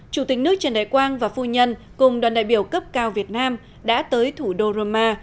chủ tịch nước trần đại quang và phu nhân cùng đoàn đại biểu cấp cao việt nam đã tới thủ đô roma